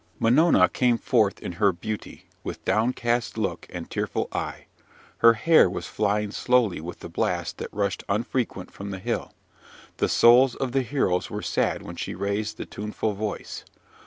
"Minona came forth in her beauty, with downcast look and tearful eye. Her hair was flying slowly with the blast that rushed unfrequent from the hill. The souls of the heroes were sad when she raised the tuneful voice.